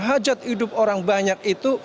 hajat hidup orang banyak itu